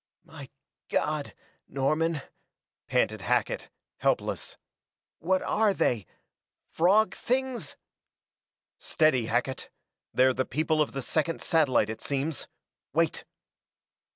"My God, Norman," panted Hackett, helpless. "What are they frog things? " "Steady, Hackett. They're the people of the second satellite, it seems; wait!"